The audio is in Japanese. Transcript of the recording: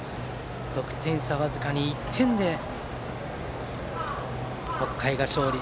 得点差僅かに１点で北海が勝利。